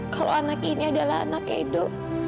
kalau anak ini adalah anak edo